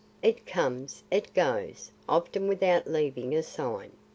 It comes, it goes, often without leaving a sign.